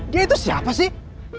dia itu siapa sih